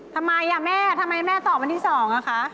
ทำไมอ่ะแม่ทำไมแม่ตอบวันที่๒อะคะ